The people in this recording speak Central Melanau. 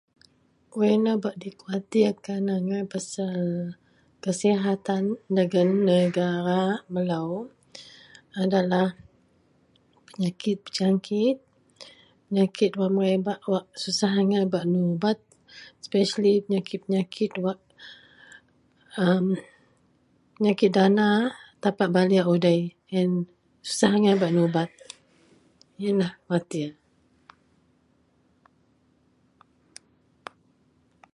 wak inou bak dikawatirkan agai pasal kasihatan dagen negara melou adalah penyakit berjangkit, penyakit wak merabak wak susah agai bak nubat espesli penyakit-penyakit wak a penyakit dana tapak baliek udei, ien susah agai bak nubat ienlah watir